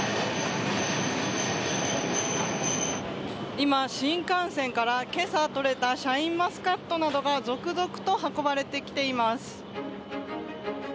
今、新幹線から今朝取れたシャインマスカットなどが続々と運ばれてきています。